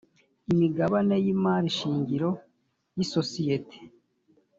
imigabane y imari shingiro y isosiyete